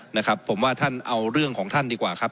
นะครับผมว่าท่านเอาเรื่องของท่านดีกว่าครับ